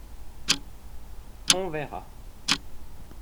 on verra.